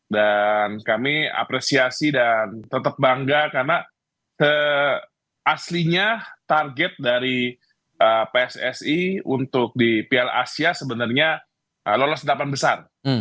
dan kami apresiasi dan tetap bangga karena aslinya target dari pssi untuk di pl asia sebenarnya lolos tetapan besar